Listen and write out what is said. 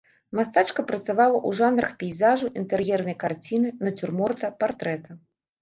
Мастачка працавала ў жанрах пейзажу, інтэр'ернай карціны, нацюрморта, партрэта.